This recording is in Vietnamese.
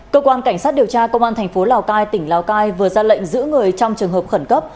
cơ quan cảnh sát điều tra công an thành phố lào cai tỉnh lào cai vừa ra lệnh giữ người trong trường hợp khẩn cấp